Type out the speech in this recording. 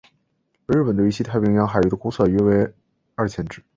而日本对于西北太平洋海域的估算约为二千只。